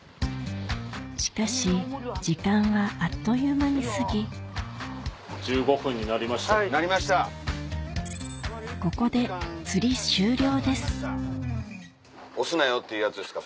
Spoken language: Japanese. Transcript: しかし時間はあっという間に過ぎなりました。ここで押すなよっていうやつですか？